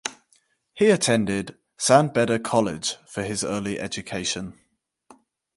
He attended San Beda College for his early education.